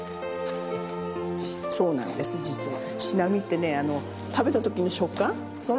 そうなんです実は。